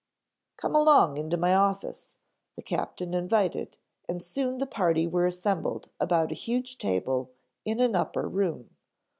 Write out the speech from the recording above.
"Come along in my office," the captain invited, and soon the party were assembled about a huge table in an upper room.